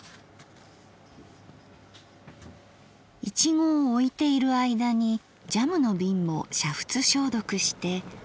苺をおいている間にジャムの瓶も煮沸消毒して。